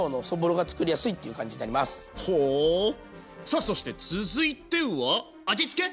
さあそして続いては味付け！